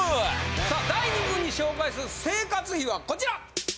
さあ第２部に紹介する生活費はこちら！